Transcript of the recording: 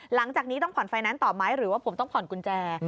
หลังจากนี้ต้องผ่อนไฟแนนซ์ต่อไหมหรือว่าผมต้องผ่อนกุญแจ